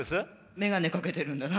メガネかけてるんだな。